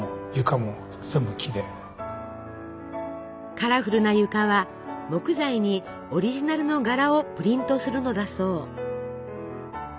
カラフルな床は木材にオリジナルの柄をプリントするのだそう。